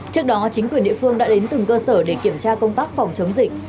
trước đó chính quyền địa phương đã đến từng cơ sở để kiểm tra công tác phòng chống dịch